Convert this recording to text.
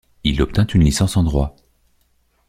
Il obtint une licence en droit.